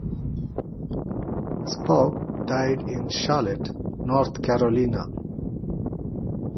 Spaugh died in Charlotte, North Carolina.